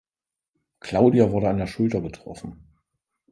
Claudia wurde an der Schulter getroffen.